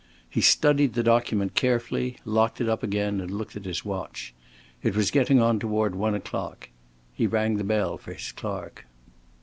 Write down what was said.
He studied the document carefully, locked it up again and looked at his watch. It was getting on toward one o'clock. He rang the bell for his clerk.